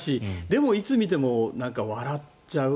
でもいつ見ても笑っちゃう。